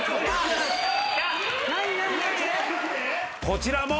こちらも。